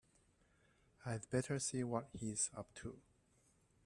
I'd better see what he's up to.